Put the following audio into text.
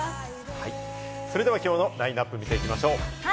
それでは今日のラインナップを見ていきます。